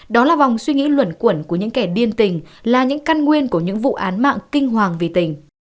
đó là vòng suy nghĩ luận quẩn của những kẻ điên tình là những căn nguyên của những vụ án mạng kinh hoàng vì tình